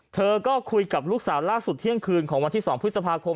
เธอก็คุยกับลูกสาวล่าสุดเที่ยงคืนของวันที่๒พฤษภาคม